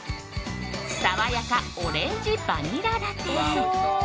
さわやかオレンジバニララテ。